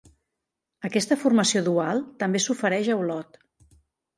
Aquesta formació dual també s'ofereix a Olot.